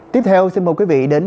tiếp theo xin mời quý vị đến